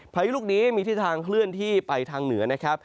พายุลูกนี้มีทิศทางเคลื่อนที่ไปทางเหนือนะครับ